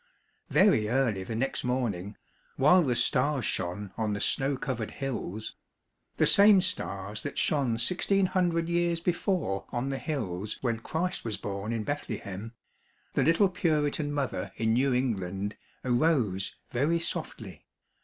Very early the next morning, while the stars shone on the snow covered hills the same stars that shone sixteen hundred years before on the hills when Christ was born in Bethlehem the little Puritan mother in New England arose very softly.